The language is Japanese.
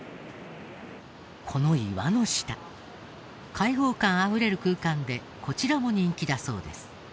開放感あふれる空間でこちらも人気だそうです。